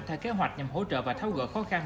theo kế hoạch nhằm hỗ trợ và tháo gỡ khó khăn